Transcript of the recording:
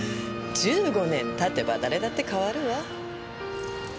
１５年たてば誰だって変わるわ。